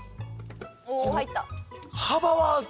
お入った！